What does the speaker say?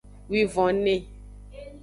Wivonve.